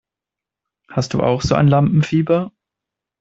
Hast du auch so ein Lampenfieber?